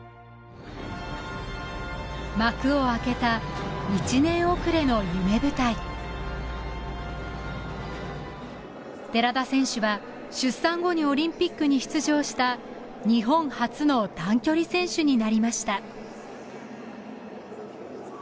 幕を開けた１年遅れの夢舞台寺田選手は出産後にオリンピックに出場した日本初の短距離選手になりました